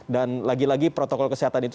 dan lagi lagi protokol kesehatan itu